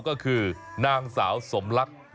ก็คือนางสาวสมลักษณ์